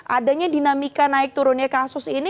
adanya dinamika naik turunnya kasus ini